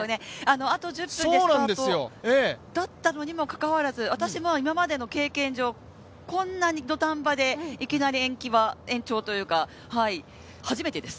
あと１０分でスタートだったのにもかかわらず私も今までの経験上、こんな土壇場でいきなり延期延長というのは初めてです。